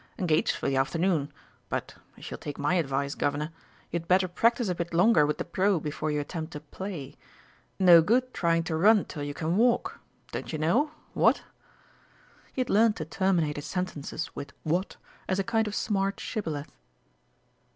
"Engaged for the afternoon; but, if you'll take my advice, Governor, you'd better practise a bit longer with the Pro before you attempt to play. No good trying to run till you can walk, don't you know, what?" (He had learnt to terminate his sentences with "what" as a kind of smart shibboleth.)